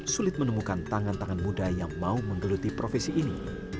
sulit menemukan tangan tangan muda yang mau menggeluti profesi ini